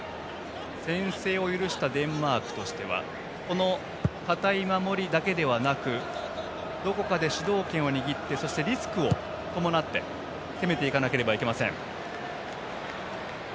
先制を許したデンマークとしては堅い守りだけではなくどこかで主導権を握ってそして、リスクを伴って攻めていかなければなりません。